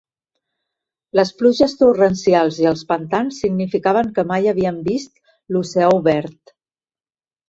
Les pluges torrencials i els pantans significaven que mai havien vist l'oceà obert.